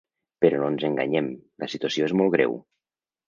Però no ens enganyem: la situació és molt greu.